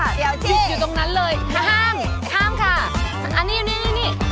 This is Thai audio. เดี๋ยวที่หยุดอยู่ตรงนั้นเลยท่าห้ามค่ะอันนี้นี่